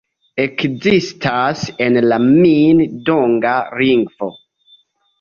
Ekzistas en la Min-donga lingvo.